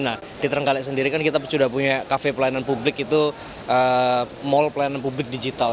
nah di terenggalek sendiri kan kita sudah punya kafe pelayanan publik itu mall pelayanan publik digital